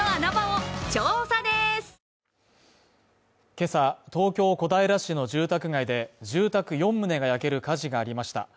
今朝、東京小平市の住宅街で住宅４棟が焼ける火事がありました。